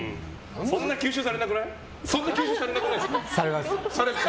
そんな吸収されなくないですか？